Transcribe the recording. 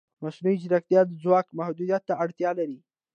مصنوعي ځیرکتیا د ځواک محدودیت ته اړتیا لري.